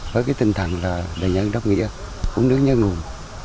với tinh thần là đại nhân đốc nghĩa quân đức nhân nguồn